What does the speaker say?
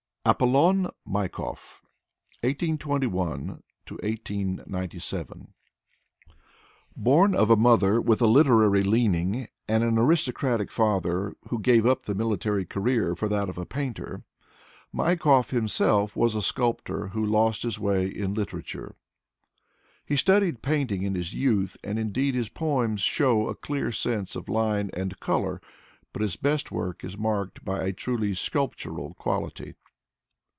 ApoUon Maikov (1821 1897) Born of a mother with a literary leaning and an aristocratic father, who gave up the military career for that of a painter, Maikov himself was a sculptor who lost his way in literature. He studied painting in his youth, and indeed his poems show a clear sense of line and color, but his best work is marked by a truly sculptural quality.